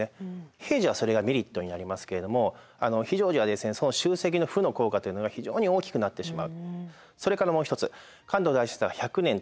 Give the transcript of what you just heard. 平時はそれがメリットになりますけれども非常時はその集積の負の効果というのが非常に大きくなってしまう。